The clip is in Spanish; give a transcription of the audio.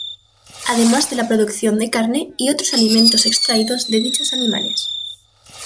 Además de la producción de carne y otros alimentos extraídos de dichos animales.